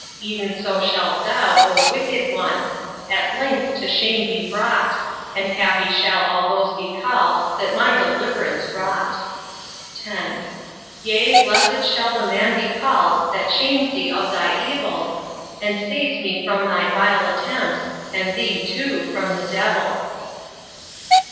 Ev'n so shalt thou, O wicked one! At length to shame be brought, And happy shall all those be call'd That my deliv'rance wrought. X. Yea, blessed shall the man be called That shames thee of thy evil, And saves me from thy vile attempts, And thee, too, from the d—l.